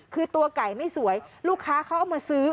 คือตัวไก่ไม่สวยลูกค้าเขาเอามาซื้อ